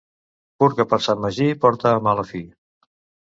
Purga per Sant Magí porta a mala fi.